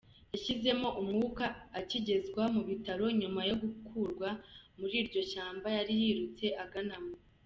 Yashizemo umwuka akigezwa mu bitaro nyuma yo gukurwa muri iryo shyamba yari yirutse aganamo.